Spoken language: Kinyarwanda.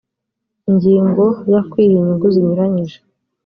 ingingo ya kwiha inyungu zinyuranyije